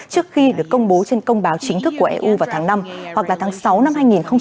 trước khi được công bố trên công báo chính thức của eu vào tháng năm hoặc là tháng sáu năm hai nghìn hai mươi